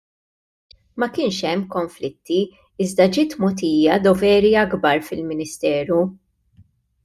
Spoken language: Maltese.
Ma kienx hemm konflitti iżda ġiet mogħtija doveri akbar fil-Ministeru.